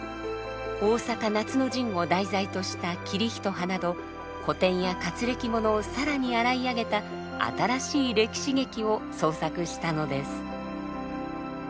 大坂夏の陣を題材とした「桐一葉」など古典や活歴物を更に洗い上げた新しい歴史劇を創作したのです。